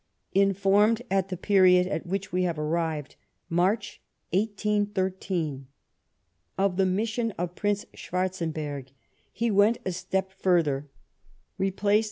Informed at the period at which we have arrived, March 1813, of the mission of Prince Schwarzenberg, he went a step further ; replaced M.